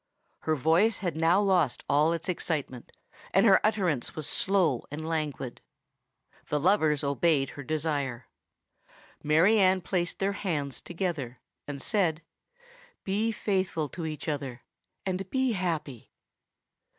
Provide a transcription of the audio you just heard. Her voice had now lost all its excitement; and her utterance was slow and languid. The lovers obeyed her desire. Mary Anne placed their hands together, and said, "Be faithful to each other—and be happy."